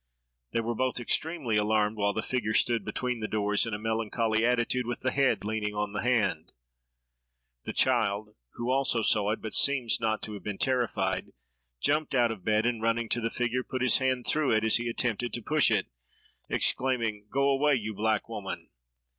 They were both extremely alarmed, while the figure stood between the doors in a melancholy attitude with the head leaning on the hand. The child—who also saw it, but seems not to have been terrified—jumped out of bed, and running to the figure, put his hand through it as he attempted to push it, exclaiming, "Go away, you black woman."